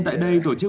tại đây tổ chức